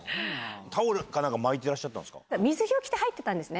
タオルかなんか巻いてらっし水着を着て入ってたんですね。